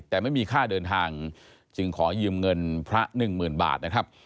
แต่ไม่มีค่าเดินทางจึงขอยืมเงินพระหนึ่งหมื่นบาทนะครับ